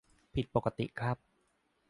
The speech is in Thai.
ผิดปกติครับ !